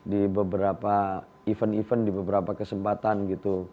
di beberapa event event di beberapa kesempatan gitu